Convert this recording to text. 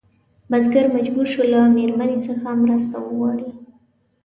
بزګر مجبور شو له مېرمنې څخه مرسته وغواړي.